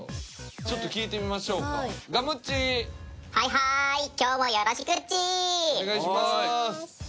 ちょっと聞いてみましょうかお願いします！